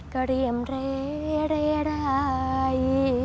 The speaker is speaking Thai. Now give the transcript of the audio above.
ก็เรียมร้าย